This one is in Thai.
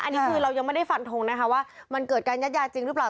อันนี้คือเรายังไม่ได้ฟันทงนะคะว่ามันเกิดการยัดยาจริงหรือเปล่า